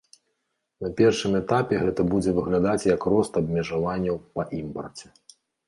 На першым этапе гэта будзе выглядаць як рост абмежаванняў па імпарце.